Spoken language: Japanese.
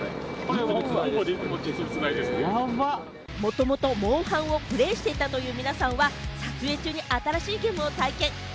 もともと『モンハン』をプレーしていたという皆さんは、撮影中に新しいゲームを体験。